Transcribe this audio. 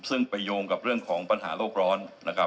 ซึ่งไปโยงกับเรื่องของปัญหาโรคร้อน